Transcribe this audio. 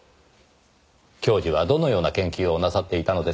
教授はどのような研究をなさっていたのですか？